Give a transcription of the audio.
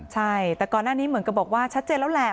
ใช่แต่ก่อนหน้านี้เหมือนกับบอกว่าชัดเจนแล้วแหละ